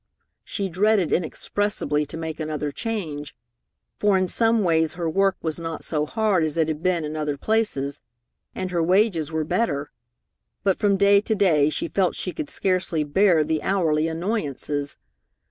She dreaded inexpressibly to make another change, for in some ways her work was not so hard as it had been in other places, and her wages were better; but from day to day she felt she could scarcely bear the hourly annoyances.